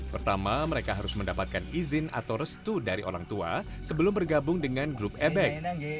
pertama mereka harus mendapatkan izin atau restu dari orang tua sebelum bergabung dengan grup ebek